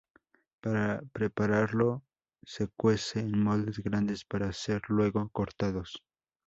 Para prepararlo, se cuece en moldes grandes para ser luego cortados.